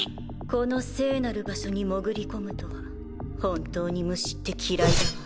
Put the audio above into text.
この聖なる場所に潜り込むとは本当に虫って嫌いだわ。